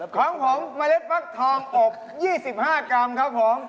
ของผมเมล็ดฟักทองอบ๒๕กรัมครับผม